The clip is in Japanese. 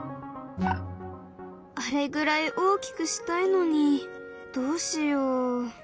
あれぐらい大きくしたいのにどうしよう。